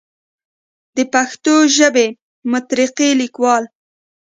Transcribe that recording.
دَ پښتو ژبې مترقي ليکوال